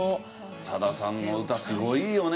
さださんの歌すごいよね。